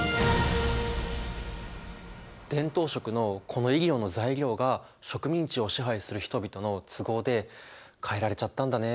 伝統食のこのイリオの材料が植民地を支配する人々の都合で変えられちゃったんだね。